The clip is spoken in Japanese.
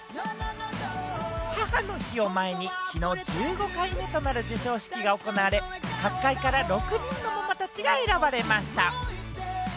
母の日を前に昨日１５回目となる授賞式が行われ、各界から６人のママたちが選ばれました。